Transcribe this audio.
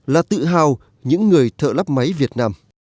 là tự hào những người thợ lắp máy việt nam